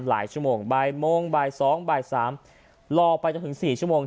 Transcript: หลายชั่วโมงบ่ายโมงบ่ายสองบ่ายสามรอไปจนถึงสี่ชั่วโมง